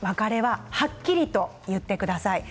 はっきりと言ってください。